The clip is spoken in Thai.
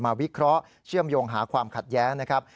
วิเคราะห์เชื่อมโยงหาความขัดแย้งนะครับ